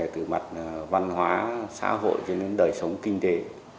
từ mặt văn hóa xã hội cho đến đời sống kinh tế